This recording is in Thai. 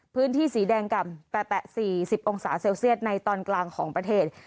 พื้นที่สีแดงกล่ำแตะ๔๐องศาเซลเซียตในตอนกลางของประเทศ